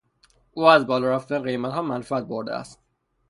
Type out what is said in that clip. او از بالارفتن قیمتها منفعت برده است.